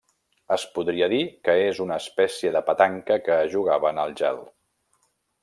Es podria dir que és una espècie de petanca que es jugava en el gel.